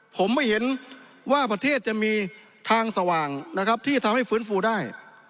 ผมไม่เห็นว่าประเทศจะมีทางสว่างที่ทำให้ฝืนฟูได้